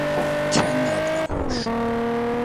Kendi adına konuş.